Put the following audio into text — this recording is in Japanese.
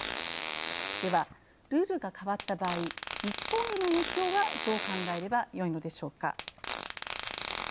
ではルールが変わった場合日本への影響はどう考えればよいのでしょうか。